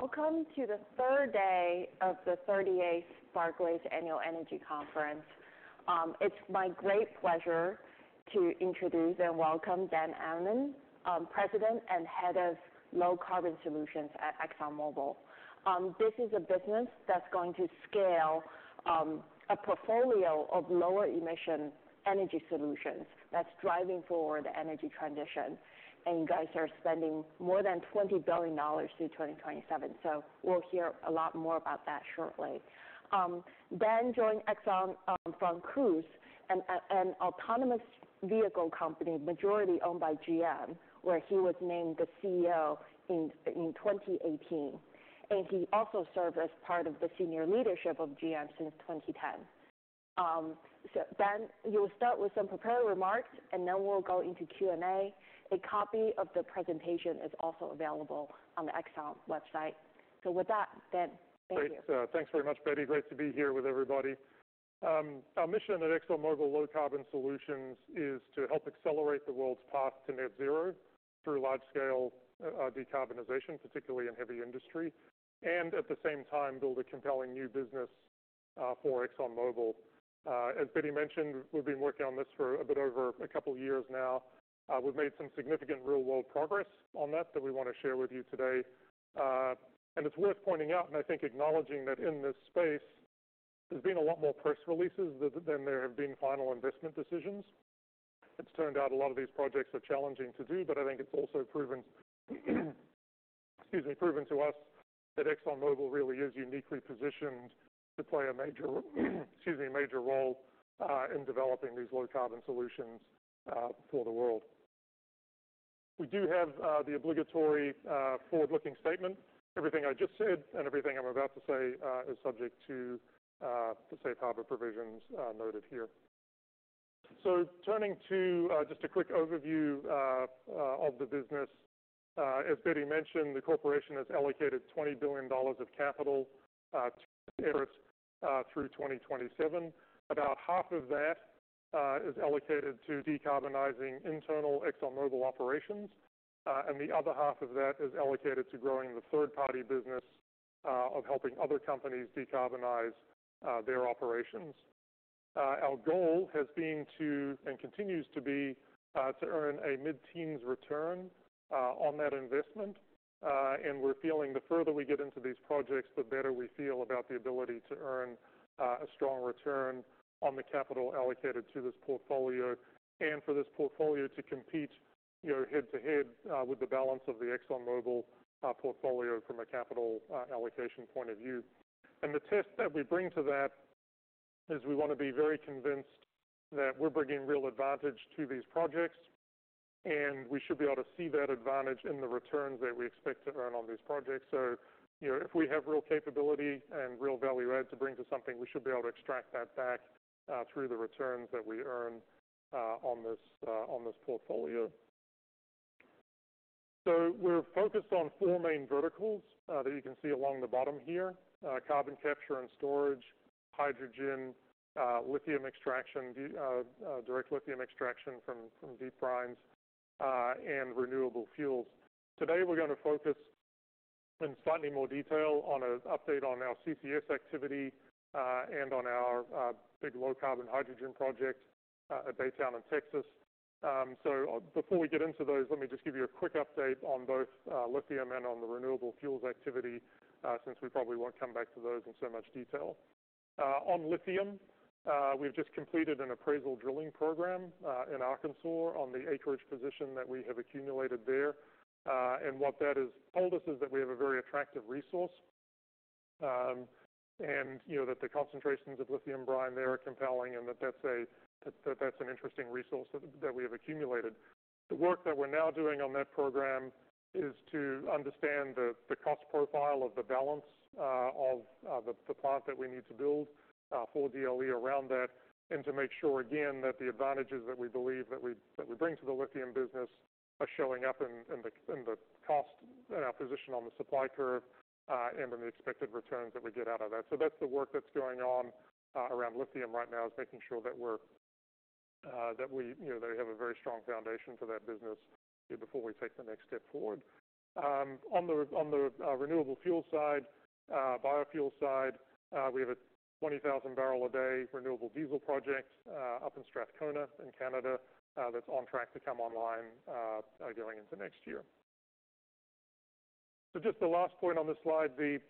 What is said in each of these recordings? ...Welcome to the third day of the thirty-eighth Barclays Annual Energy Conference. It's my great pleasure to introduce and welcome Dan Ammann, President and Head of Low Carbon Solutions at ExxonMobil. This is a business that's going to scale a portfolio of lower emission energy solutions that's driving forward the energy transition, and you guys are spending more than $20 billion through 2027. So we'll hear a lot more about that shortly. Dan joined Exxon from Cruise, an autonomous vehicle company, majority owned by GM, where he was named the CEO in 2018, and he also served as part of the senior leadership of GM since 2010. So Dan, you'll start with some prepared remarks, and then we'll go into Q&A. A copy of the presentation is also available on the Exxon website. So with that, Dan, thank you. Great. Thanks very much, Betty. Great to be here with everybody. Our mission at ExxonMobil Low Carbon Solutions is to help accelerate the world's path to net zero through large-scale decarbonization, particularly in heavy industry, and at the same time, build a compelling new business for ExxonMobil. As Betty mentioned, we've been working on this for a bit over a couple of years now. We've made some significant real-world progress on that that we want to share with you today, and it's worth pointing out, and I think acknowledging that in this space, there's been a lot more press releases than there have been final investment decisions. It's turned out a lot of these projects are challenging to do, but I think it's also proven to us that ExxonMobil really is uniquely positioned to play a major role in developing these low-carbon solutions for the world. We do have the obligatory forward-looking statement. Everything I just said and everything I'm about to say is subject to the safe harbor provisions noted here. So turning to just a quick overview of the business. As Betty mentioned, the corporation has allocated $20 billion of capital through 2027. About half of that is allocated to decarbonizing internal ExxonMobil operations and the other half of that is allocated to growing the third-party business of helping other companies decarbonize their operations. Our goal has been to, and continues to be, to earn a mid-teens return, on that investment. And we're feeling the further we get into these projects, the better we feel about the ability to earn, a strong return on the capital allocated to this portfolio, and for this portfolio to compete, you know, head-to-head, with the balance of the ExxonMobil, portfolio from a capital, allocation point of view. And the test that we bring to that is we want to be very convinced that we're bringing real advantage to these projects, and we should be able to see that advantage in the returns that we expect to earn on these projects. So, you know, if we have real capability and real value add to bring to something, we should be able to extract that back through the returns that we earn on this portfolio. So we're focused on four main verticals that you can see along the bottom here: carbon capture and storage, hydrogen, lithium extraction, the direct lithium extraction from deep brines, and renewable fuels. Today, we're gonna focus in slightly more detail on an update on our CCS activity and on our big low-carbon hydrogen project at Baytown in Texas. So before we get into those, let me just give you a quick update on both lithium and on the renewable fuels activity since we probably won't come back to those in so much detail. On lithium, we've just completed an appraisal drilling program in Arkansas on the acreage position that we have accumulated there. And what that has told us is that we have a very attractive resource, you know, that the concentrations of lithium brine there are compelling and that that's an interesting resource that we have accumulated. The work that we're now doing on that program is to understand the cost profile of the balance of the plant that we need to build for DLE around that, and to make sure again that the advantages that we believe that we bring to the lithium business are showing up in the cost and our position on the supply curve, and in the expected returns that we get out of that. So that's the work that's going on around lithium right now, is making sure that we're, you know, that we have a very strong foundation for that business before we take the next step forward. On the renewable fuel side, biofuel side, we have a 20,000 barrel a day renewable diesel project up in Strathcona in Canada, that's on track to come online going into next year. So just the last point on this slide, the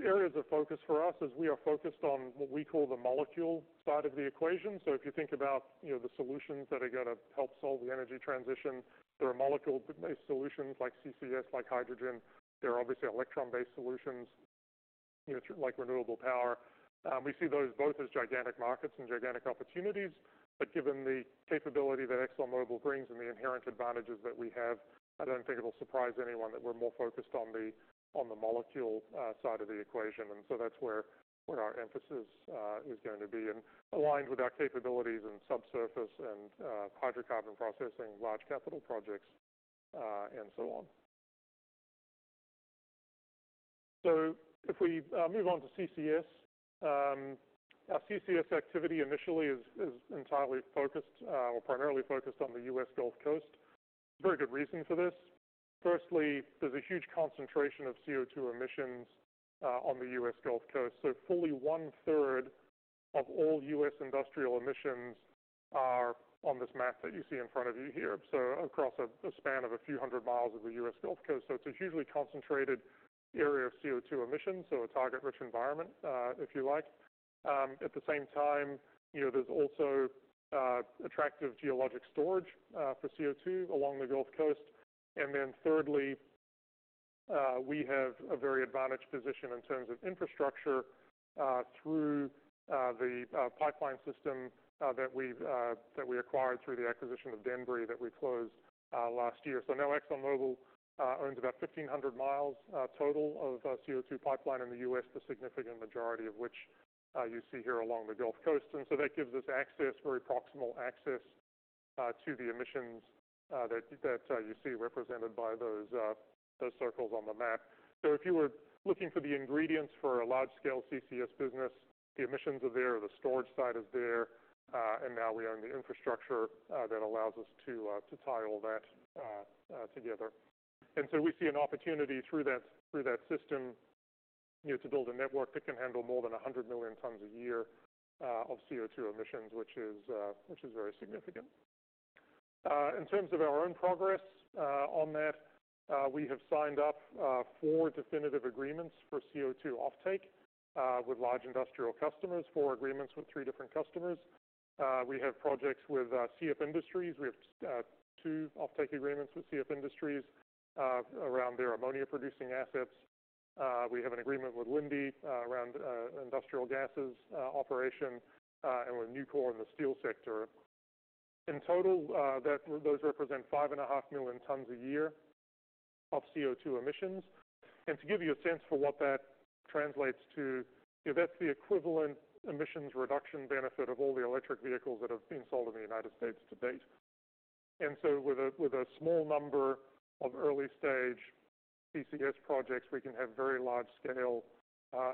areas of focus for us is we are focused on what we call the molecule side of the equation. So if you think about, you know, the solutions that are gonna help solve the energy transition, there are molecule-based solutions like CCS, like hydrogen. There are obviously electron-based solutions, you know, like renewable power. We see those both as gigantic markets and gigantic opportunities, but given the capability that ExxonMobil brings and the inherent advantages that we have, I don't think it will surprise anyone that we're more focused on the molecule side of the equation. And so that's where our emphasis is going to be and aligned with our capabilities in subsurface and hydrocarbon processing, large capital projects and so on. So if we move on to CCS, our CCS activity initially is entirely focused or primarily focused on the US Gulf Coast. Very good reason for this. Firstly, there's a huge concentration of CO₂ emissions on the US Gulf Coast. So fully one-third of all US industrial emissions are on this map that you see in front of you here. So across a span of a few hundred of the U.S. Gulf Coast. So it's a hugely concentrated area of CO2 emissions, so a target-rich environment, if you like. At the same time, you know, there's also attractive geologic storage for CO2 along the Gulf Coast. And then thirdly, we have a very advantaged position in terms of infrastructure through the pipeline system that we've that we acquired through the acquisition of Denbury, that we closed last year. So now ExxonMobil owns about 1,500 mi total of CO2 pipeline in the U.S., the significant majority of which you see here along the Gulf Coast. And so that gives us access, very proximal access, to the emissions that that you see represented by those those circles on the map. So if you were looking for the ingredients for a large-scale CCS business, the emissions are there, the storage side is there, and now we own the infrastructure that allows us to tie all that together. And so we see an opportunity through that, through that system, you know, to build a network that can handle more than a hundred million tons a year of CO₂ emissions, which is very significant. In terms of our own progress on that, we have signed up four definitive agreements for CO₂ offtake with large industrial customers, four agreements with three different customers. We have projects with CF Industries. We have two offtake agreements with CF Industries around their ammonia-producing assets. We have an agreement with Linde around industrial gases operation and with Nucor in the steel sector. In total, those represent 5.5 million tons a year of CO₂ emissions. To give you a sense for what that translates to, that's the equivalent emissions reduction benefit of all the electric vehicles that have been sold in the United States to date. With a small number of early-stage CCS projects, we can have very large-scale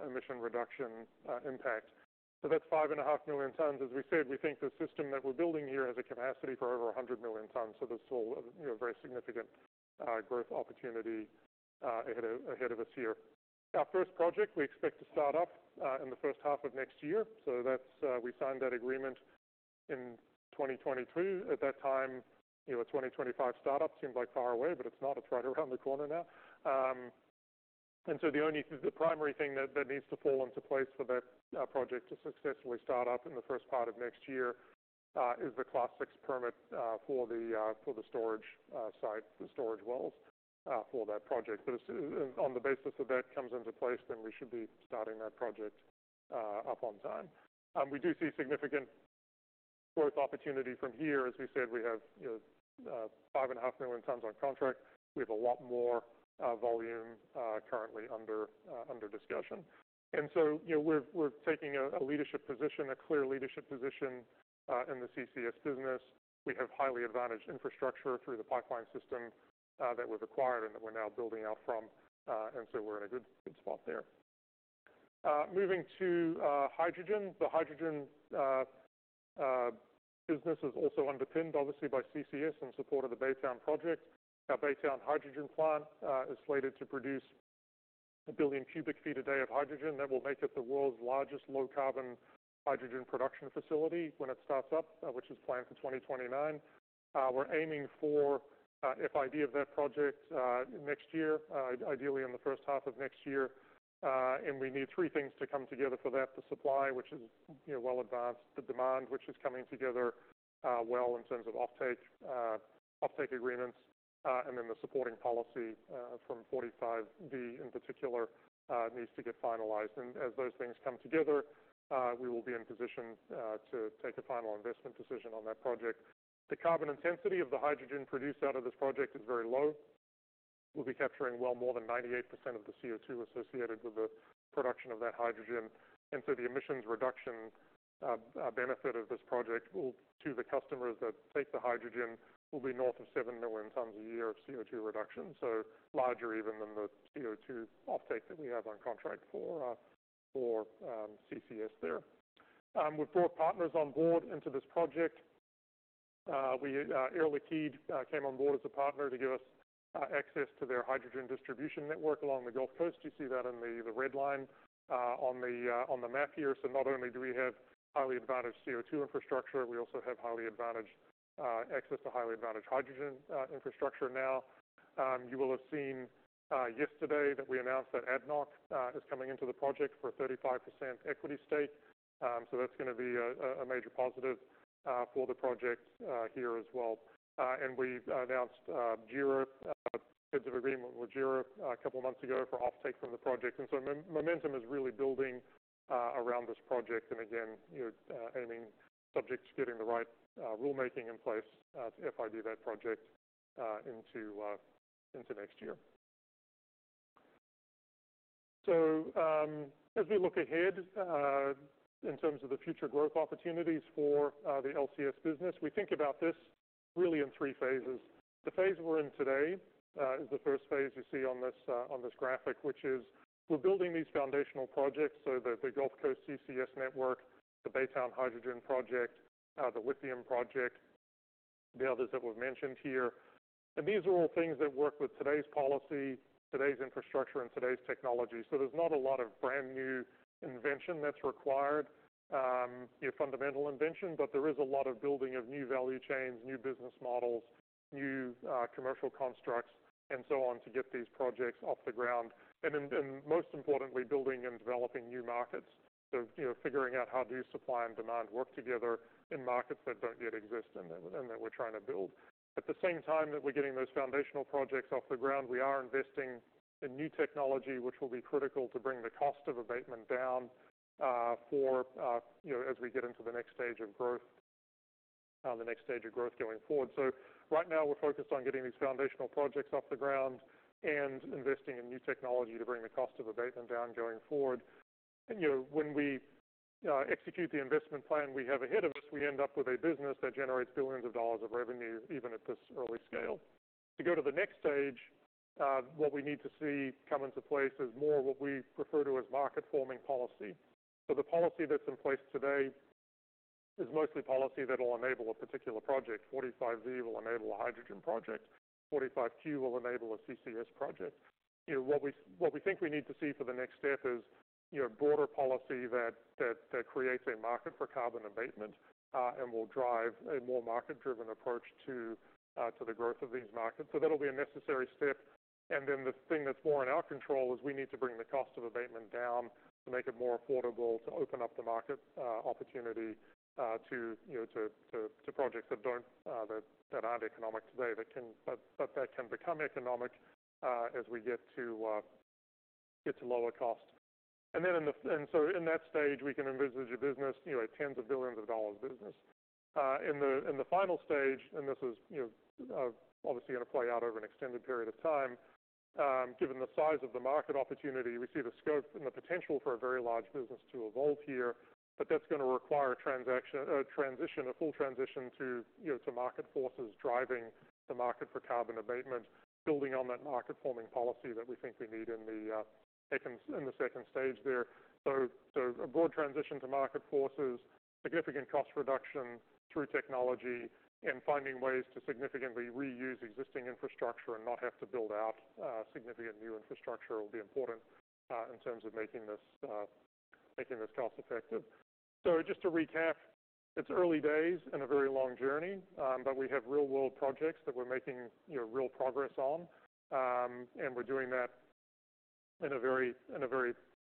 emission reduction impact. That's 5.5 million tons. As we said, we think the system that we're building here has a capacity for over 100 million tons. There's still a, you know, very significant growth opportunity ahead of us here. Our first project, we expect to start up in the first half of next year. So that's, we signed that agreement in twenty twenty-two. At that time, you know, a twenty twenty-five startup seemed like far away, but it's not. It's right around the corner now. And so the only, the primary thing that needs to fall into place for that project to successfully start up in the first part of next year is the Class VI permit for the storage site, the storage wells for that project. But as that comes into place, then we should be starting that project up on time. We do see significant growth opportunity from here. As we said, we have, you know, five and a half million tons on contract. We have a lot more volume currently under discussion. And so, you know, we're taking a leadership position, a clear leadership position in the CCS business. We have highly advantaged infrastructure through the pipeline system that was acquired and that we're now building out from, and so we're in a good spot there. Moving to hydrogen. The hydrogen business is also underpinned, obviously, by CCS in support of the Baytown project. Our Baytown hydrogen plant is slated to produce a billion cubic feet a day of hydrogen. That will make it the world's largest low-carbon hydrogen production facility when it starts up, which is planned for 2029. We're aiming for FID of that project next year, ideally in the first half of next year. And we need three things to come together for that: the supply, which is, you know, well advanced, the demand, which is coming together, well in terms of offtake agreements, and then the supporting policy from 45Q in particular needs to get finalized. And as those things come together, we will be in position to take a final investment decision on that project. The carbon intensity of the hydrogen produced out of this project is very low. We'll be capturing well more than 98% of the CO₂ associated with the production of that hydrogen. And so the emissions reduction benefit of this project will to the customers that take the hydrogen will be north of seven million tons a year of CO₂ reduction, so larger even than the CO₂ offtake that we have on contract for CCS there. We've brought partners on board into this project. Air Liquide came on board as a partner to give us access to their hydrogen distribution network along the Gulf Coast. You see that in the red line on the map here. So not only do we have highly advantaged CO₂ infrastructure, we also have highly advantaged access to highly advantaged hydrogen infrastructure now. You will have seen yesterday that we announced that ADNOC is coming into the project for a 35% equity stake. So that's gonna be a major positive for the project here as well. And we announced JERA heads of agreement with JERA a couple of months ago for offtake from the project. And so momentum is really building around this project. And again, you know, aiming subject to getting the right rulemaking in place to FID that project into next year. So as we look ahead in terms of the future growth opportunities for the LCS business, we think about this really in three phases. The phase we're in today is the first phase you see on this graphic, which is we're building these foundational projects, so the Gulf Coast CCS network, the Baytown Hydrogen Project, the lithium project.... the others that we've mentioned here, and these are all things that work with today's policy, today's infrastructure, and today's technology. So there's not a lot of brand new invention that's required, you know, fundamental invention, but there is a lot of building of new value chains, new business models, new commercial constructs, and so on, to get these projects off the ground. And then, most importantly, building and developing new markets. So, you know, figuring out how do supply and demand work together in markets that don't yet exist and that we're trying to build. At the same time that we're getting those foundational projects off the ground, we are investing in new technology, which will be critical to bring the cost of abatement down, for, you know, as we get into the next stage of growth going forward. So right now, we're focused on getting these foundational projects off the ground and investing in new technology to bring the cost of abatement down going forward. You know, when we execute the investment plan we have ahead of us, we end up with a business that generates billions of dollars of revenue, even at this early scale. To go to the next stage, what we need to see come into place is more what we refer to as market-forming policy. So the policy that's in place today is mostly policy that will enable a particular project. 45V will enable a hydrogen project, 45Q will enable a CCS project. You know, what we think we need to see for the next step is, you know, broader policy that creates a market for carbon abatement and will drive a more market-driven approach to the growth of these markets. So that'll be a necessary step, and then the thing that's more in our control is we need to bring the cost of abatement down to make it more affordable, to open up the market opportunity, you know, to projects that don't, that aren't economic today, that can. But that can become economic as we get to lower cost. And so in that stage, we can envisage a business, you know, a tens of billions of dollars business. In the final stage, and this is, you know, obviously gonna play out over an extended period of time, given the size of the market opportunity, we see the scope and the potential for a very large business to evolve here. But that's gonna require a transaction, a transition, a full transition to, you know, to market forces driving the market for carbon abatement, building on that market-forming policy that we think we need in the second stage there. So a broad transition to market forces, significant cost reduction through technology, and finding ways to significantly reuse existing infrastructure and not have to build out significant new infrastructure will be important in terms of making this cost effective. So just to recap, it's early days and a very long journey, but we have real-world projects that we're making, you know, real progress on. And we're doing that in a very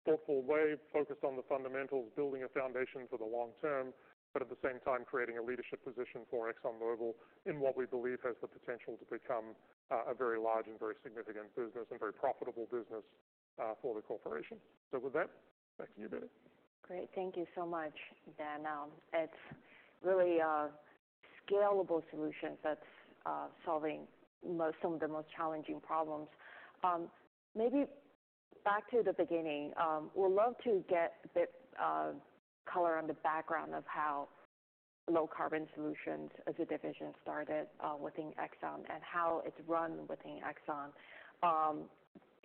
thoughtful way, focused on the fundamentals, building a foundation for the long term, but at the same time, creating a leadership position for ExxonMobil in what we believe has the potential to become a very large and very significant business, and very profitable business for the corporation. So with that, back to you, Betty. Great. Thank you so much, Dan. It's really a scalable solution that's solving some of the most challenging problems. Maybe back to the beginning. Would love to get a bit color on the background of how Low Carbon Solutions as a division started within Exxon and how it's run within Exxon.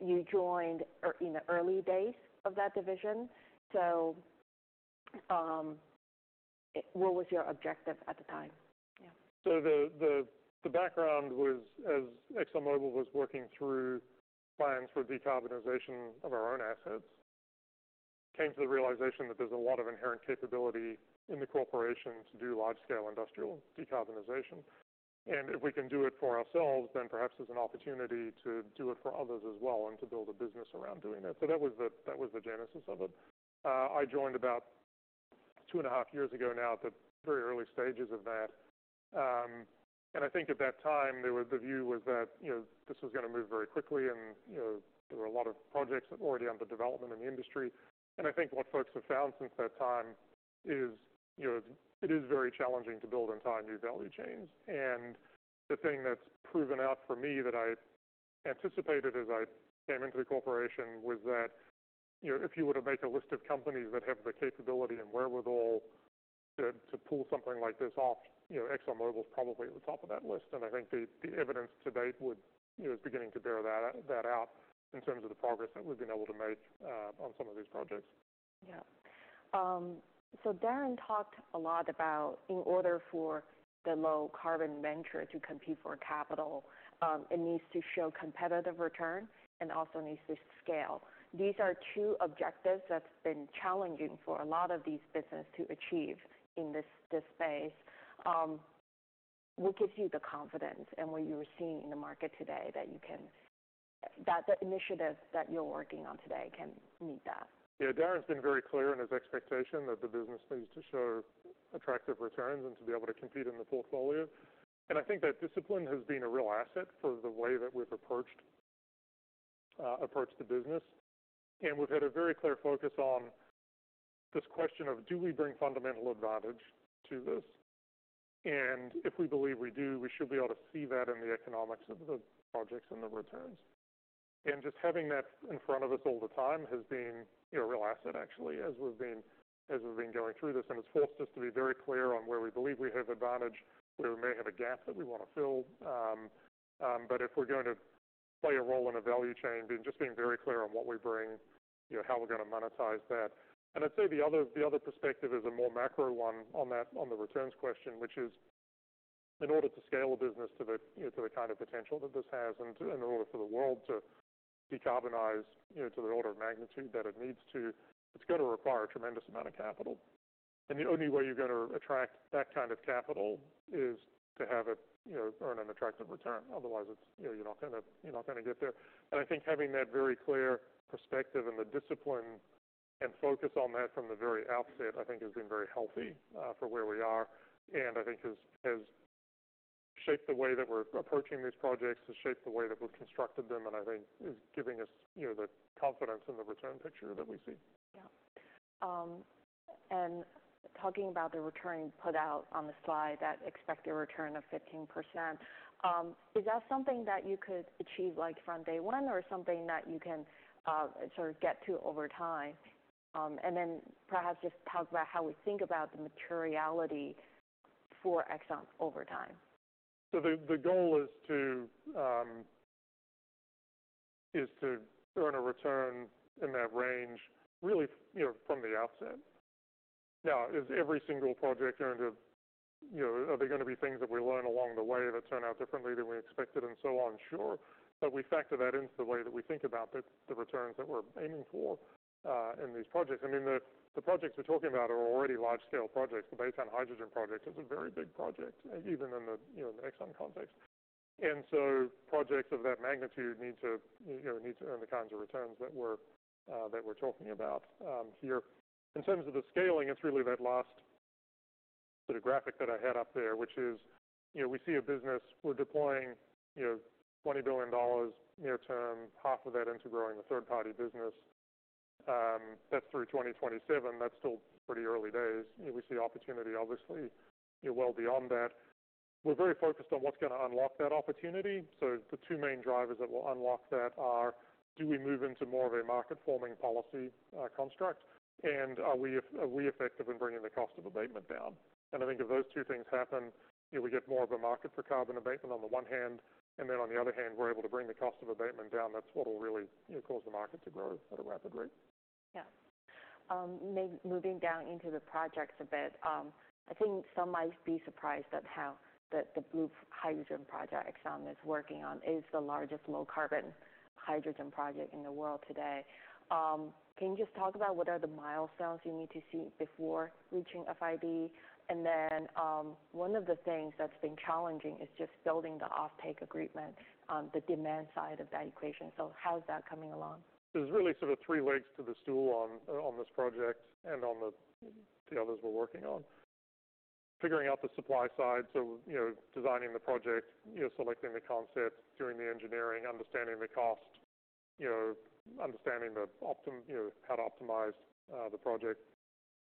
You joined in the early days of that division, so what was your objective at the time? Yeah. So the background was, as ExxonMobil was working through plans for decarbonization of our own assets, came to the realization that there's a lot of inherent capability in the corporation to do large-scale industrial decarbonization. And if we can do it for ourselves, then perhaps there's an opportunity to do it for others as well, and to build a business around doing that. So that was the genesis of it. I joined about two and a half years ago now, at the very early stages of that. And I think at that time, there was the view that, you know, this was gonna move very quickly and, you know, there were a lot of projects already under development in the industry. I think what folks have found since that time is, you know, it is very challenging to build entire new value chains. The thing that's proven out for me, that I anticipated as I came into the corporation, was that, you know, if you were to make a list of companies that have the capability and wherewithal to pull something like this off, you know, ExxonMobil is probably at the top of that list. I think the evidence to date would, you know, is beginning to bear that out in terms of the progress that we've been able to make on some of these projects. Yeah. So Darren talked a lot about in order for the low-carbon venture to compete for capital, it needs to show competitive return and also needs to scale. These are two objectives that's been challenging for a lot of these business to achieve in this space. What gives you the confidence in what you are seeing in the market today, that the initiative that you're working on today can meet that? Yeah, Darren's been very clear in his expectation that the business needs to show attractive returns and to be able to compete in the portfolio, and I think that discipline has been a real asset for the way that we've approached the business. And we've had a very clear focus on this question of: Do we bring fundamental advantage to this? And if we believe we do, we should be able to see that in the economics of the projects and the returns, and just having that in front of us all the time has been, you know, a real asset actually, as we've been going through this. And it's forced us to be very clear on where we believe we have advantage, where we may have a gap that we want to fill, but if we're going to-... play a role in a value chain, just being very clear on what we bring, you know, how we're gonna monetize that. And I'd say the other perspective is a more macro one on that, on the returns question, which is, in order to scale a business to the kind of potential that this has, you know, and in order for the world to decarbonize, you know, to the order of magnitude that it needs to, it's gonna require a tremendous amount of capital. And the only way you're gonna attract that kind of capital is to have it, you know, earn an attractive return. Otherwise, it's, you know, you're not gonna get there. I think having that very clear perspective and the discipline and focus on that from the very outset, I think has been very healthy for where we are, and I think has shaped the way that we're approaching these projects, has shaped the way that we've constructed them, and I think is giving us, you know, the confidence in the return picture that we see. Yeah. And talking about the return you put out on the slide, that expected return of 15%, is that something that you could achieve, like, from day one, or something that you can, sort of get to over time? And then perhaps just talk about how we think about the materiality for Exxon over time. So the goal is to earn a return in that range, really, you know, from the outset. Now, is every single project going to, you know... Are there gonna be things that we learn along the way that turn out differently than we expected and so on? Sure. But we factor that into the way that we think about the returns that we're aiming for in these projects. I mean, the projects we're talking about are already large-scale projects. The Baytown Hydrogen Project is a very big project, even in the, you know, Exxon context. And so projects of that magnitude need to, you know, earn the kinds of returns that we're talking about here. In terms of the scaling, it's really that last sort of graphic that I had up there, which is, you know, we see a business. We're deploying, you know, $20 billion near term, $10 billion of that into growing the third-party business. That's through 2027. That's still pretty early days. We see opportunity, obviously, you know, well beyond that. We're very focused on what's gonna unlock that opportunity. So the two main drivers that will unlock that are: do we move into more of a market-forming policy construct? And are we effective in bringing the cost of abatement down? I think if those two things happen, you know, we get more of a market for carbon abatement on the one hand, and then on the other hand, we're able to bring the cost of abatement down. That's what will really, you know, cause the market to grow at a rapid rate. Yeah. Moving down into the projects a bit, I think some might be surprised at how that the blue hydrogen project Exxon is working on is the largest low-carbon hydrogen project in the world today. Can you just talk about what are the milestones you need to see before reaching FID? And then, one of the things that's been challenging is just building the offtake agreement on the demand side of that equation. So how is that coming along? There's really sort of three legs to the stool on this project and on the others we're working on. Figuring out the supply side, so, you know, designing the project, you know, selecting the concept, doing the engineering, understanding the cost, you know, understanding how to optimize the project.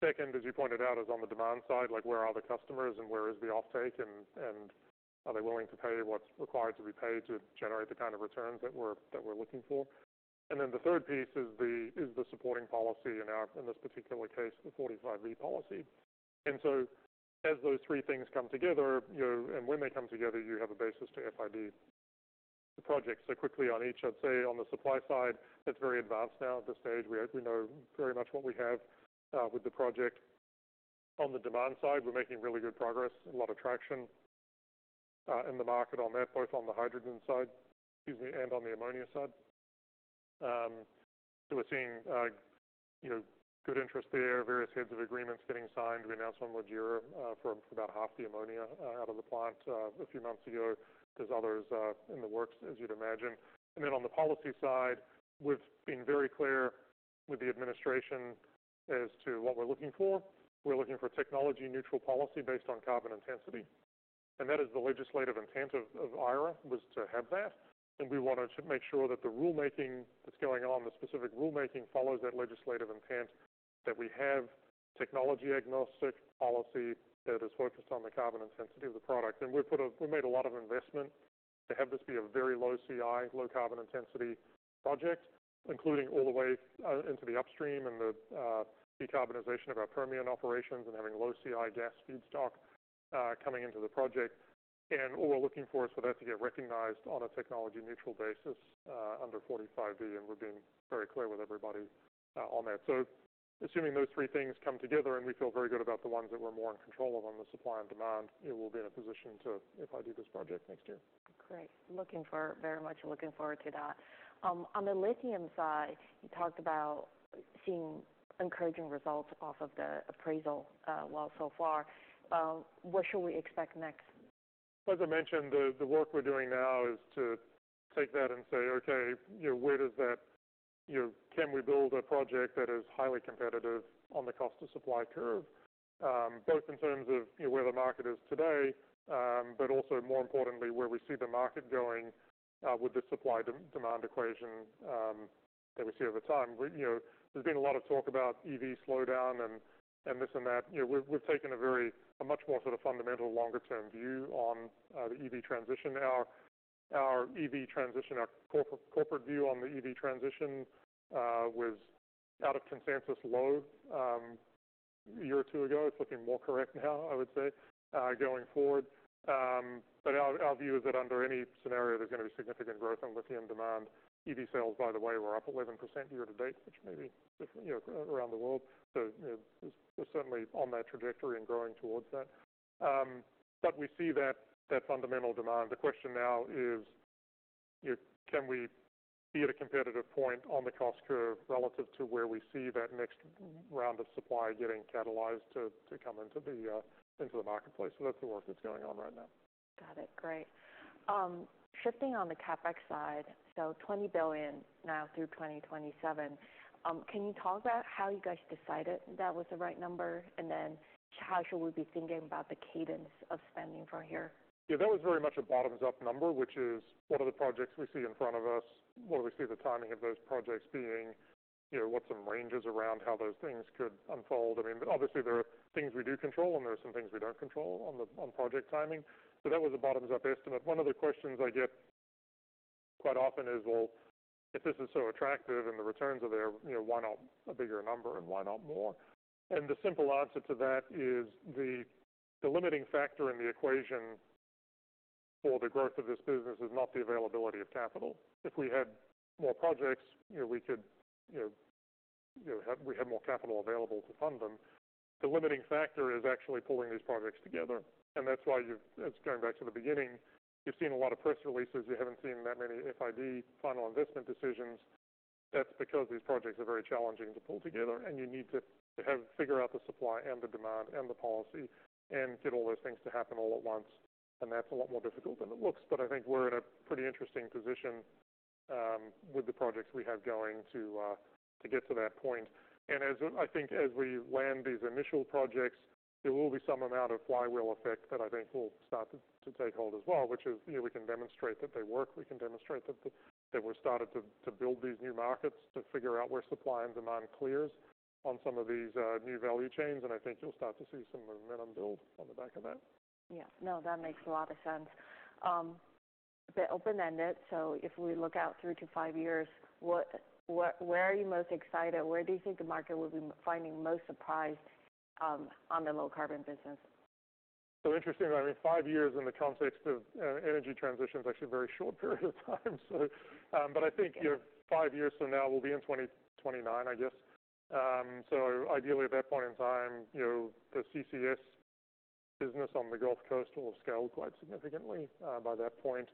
Second, as you pointed out, is on the demand side, like, where are the customers and where is the offtake, and are they willing to pay what's required to be paid to generate the kind of returns that we're looking for? And then the third piece is the supporting policy in this particular case, the 45V policy. And so as those three things come together, you know, and when they come together, you have a basis to FID the project. So quickly on each, I'd say on the supply side, that's very advanced now at this stage. We know very much what we have with the project. On the demand side, we're making really good progress, a lot of traction in the market on that, both on the hydrogen side, excuse me, and on the ammonia side. So we're seeing, you know, good interest there, various heads of agreements getting signed. We announced one with Yara for about half the ammonia out of the plant a few months ago. There's others in the works, as you'd imagine. And then on the policy side, we've been very clear with the administration as to what we're looking for. We're looking for a technology-neutral policy based on carbon intensity, and that is the legislative intent of IRA, was to have that. And we wanted to make sure that the rulemaking that's going on, the specific rulemaking, follows that legislative intent, that we have technology-agnostic policy that is focused on the carbon intensity of the product. And we've made a lot of investment to have this be a very low CI, low carbon intensity project, including all the way into the upstream and the decarbonization of our Permian operations and having low CI gas feedstock coming into the project. And all we're looking for is for that to get recognized on a technology-neutral basis under 45V, and we're being very clear with everybody on that. So assuming those three things come together, and we feel very good about the ones that we're more in control of on the supply and demand, it will be in a position to FID this project next year. Great. Looking forward, very much looking forward to that. On the lithium side, you talked about seeing encouraging results off of the appraisal, well, so far. What should we expect next? As I mentioned, the work we're doing now is to take that and say, okay, you know, where does that... You know, can we build a project that is highly competitive on the cost to supply curve? Both in terms of, you know, where the market is today, but also, more importantly, where we see the market going, with the supply-demand equation, that we see over time. You know, there's been a lot of talk about EV slowdown and this and that. You know, we've taken a much more sort of fundamental longer-term view on the EV transition. Our EV transition, our corporate view on the EV transition was out of consensus lead a year or two ago. It's looking more correct now, I would say, going forward. But our view is that under any scenario, there's gonna be significant growth on lithium demand. EV sales, by the way, were up 11% year to date, which may be, you know, around the world. So, you know, we're certainly on that trajectory and growing towards that. But we see that fundamental demand. The question now is, you know, can we be at a competitive point on the cost curve relative to where we see that next round of supply getting catalyzed to come into the marketplace? So that's the work that's going on right now. Got it. Great. Shifting on the CapEx side, so $20 billion now through 2027. Can you talk about how you guys decided that was the right number? And then how should we be thinking about the cadence of spending from here? Yeah, that was very much a bottoms-up number, which is, what are the projects we see in front of us? What do we see the timing of those projects being? You know, what's some ranges around how those things could unfold? I mean, obviously, there are things we do control, and there are some things we don't control on the project timing, so that was a bottoms-up estimate. One of the questions I get quite often is, well, if this is so attractive and the returns are there, you know, why not a bigger number and why not more? And the simple answer to that is the limiting factor in the equation for the growth of this business is not the availability of capital. If we had more projects, you know, we could, you know, have we had more capital available to fund them. The limiting factor is actually pulling these projects together, and that's why you've. It's going back to the beginning. You've seen a lot of press releases, you haven't seen that many FID, final investment decisions. That's because these projects are very challenging to pull together, and you need to, to have figure out the supply and the demand and the policy and get all those things to happen all at once, and that's a lot more difficult than it looks. But I think we're in a pretty interesting position, with the projects we have going to, to get to that point. And as I think, as we land these initial projects, there will be some amount of flywheel effect that I think will start to, to take hold as well, which is, you know, we can demonstrate that they work. We can demonstrate that we're starting to build these new markets, to figure out where supply and demand clear on some of these new value chains. I think you'll start to see some momentum build on the back of that. Yeah. No, that makes a lot of sense. The open-ended, so if we look out three to five years, where are you most excited? Where do you think the market will be finding most surprise, on the low-carbon business? So interesting, I mean, five years in the context of energy transition is actually a very short period of time. But I think, you know, five years from now, we'll be in twenty twenty-nine, I guess. Ideally, at that point in time, you know, the CCS business on the Gulf Coast will have scaled quite significantly by that point.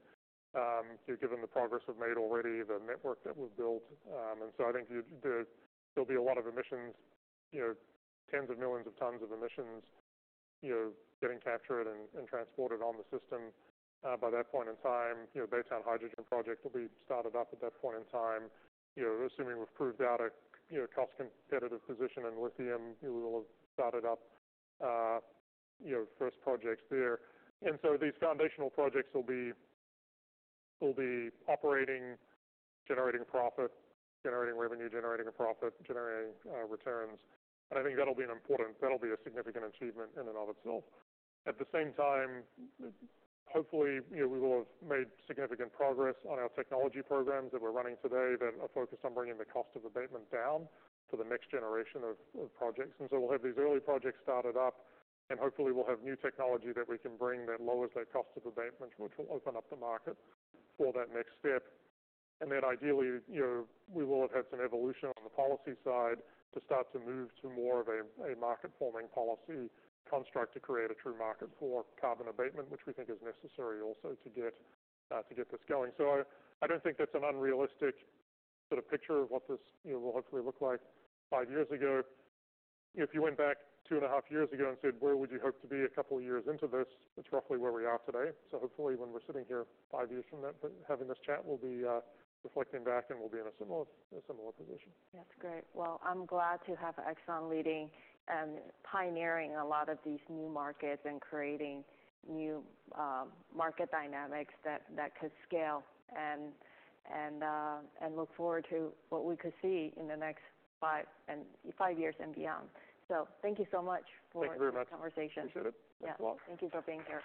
Given the progress we've made already, the network that we've built, and so I think you there'll be a lot of emissions, you know, tens of millions of tons of emissions, you know, getting captured and transported on the system by that point in time. You know, Baytown Hydrogen Project will be started up at that point in time. You know, assuming we've proved out a, you know, cost competitive position in lithium, we will have started up, you know, first projects there. And so these foundational projects will be, will be operating, generating profit, generating revenue, generating a profit, generating returns. And I think that'll be an important, that'll be a significant achievement in and of itself. At the same time, hopefully, you know, we will have made significant progress on our technology programs that we're running today that are focused on bringing the cost of abatement down to the next generation of projects. And so we'll have these early projects started up, and hopefully, we'll have new technology that we can bring that lowers that cost of abatement, which will open up the market for that next step. Then ideally, you know, we will have had some evolution on the policy side to start to move to more of a market-forming policy construct to create a true market for carbon abatement, which we think is necessary also to get to get this going. So I don't think that's an unrealistic sort of picture of what this, you know, will hopefully look like. Five years ago, if you went back two and a half years ago and said, "Where would you hope to be a couple of years into this?" It's roughly where we are today. So hopefully, when we're sitting here five years from now, having this chat, we'll be reflecting back and we'll be in a similar position. That's great. Well, I'm glad to have Exxon leading and pioneering a lot of these new markets and creating new market dynamics that could scale, and look forward to what we could see in the next five and five years and beyond. So thank you so much for- Thank you very much. -this conversation. Appreciate it as well. Yeah. Thank you for being here.